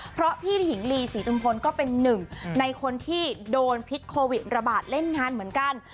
เพราะพี่หญิงลีศรีตุมพลก็เป็นหนึ่งในคนที่โดนพิษโควิดระบาดเล่นงานเหมือนกัน